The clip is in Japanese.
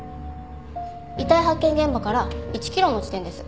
遺体発見現場から１キロの地点です。